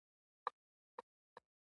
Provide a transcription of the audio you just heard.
د رګ کلی موقعیت